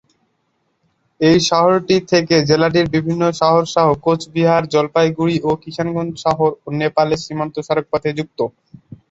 এই শহরটি থেকে জেলাটির বিভিন্ন শহরসহ কোচবিহার, জলপাইগুড়ি ও কিশানগঞ্জ শহর ও নেপালে সীমান্ত সড়কপথে যুক্ত।